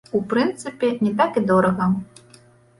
У прынцыпе, не так і дорага.